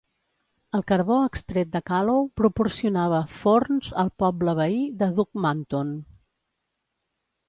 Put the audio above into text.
El carbó extret de Calow proporcionava forns al poble veí de Duckmanton.